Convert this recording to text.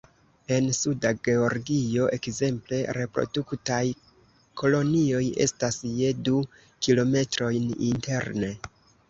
En Suda Georgio, ekzemple, reproduktaj kolonioj estas je du kilometrojn interne.